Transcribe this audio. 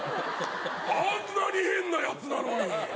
あんなに変なやつなのに。